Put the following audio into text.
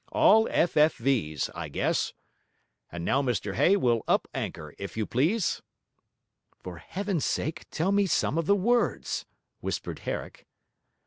All F.F.V.'s I guess. And now, Mr Hay, we'll up anchor, if you please.' 'For Heaven's sake, tell me some of the words,' whispered Herrick.